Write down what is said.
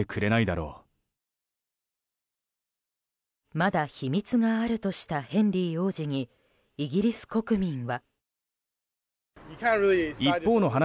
まだ秘密があるとしたヘンリー王子にイギリス国民は。